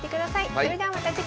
それではまた次回。